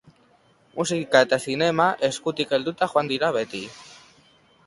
Musika eta zinema eskutik helduta joan dira beti.